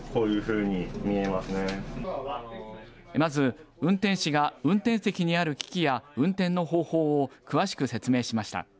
まず運転士が運転席にある機器や運転の方法を詳しく説明しました。